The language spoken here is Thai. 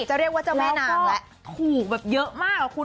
จะเรียกว่าเจ้าแม่นางแหละถูกแบบเยอะมากอ่ะคุณ